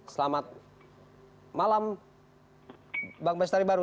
selamat malam bang besteri barus